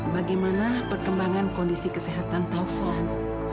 bagaimana perkembangan kondisi kesehatan taufan